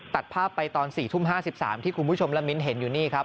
ตัดภาพไปตอน๔ทุ่ม๕๓ที่คุณผู้ชมและมิ้นเห็นอยู่นี่ครับ